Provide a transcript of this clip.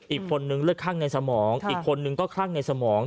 อีกคนนึงเลือดข้างในสมองอีกคนนึงก็คลั่งในสมอง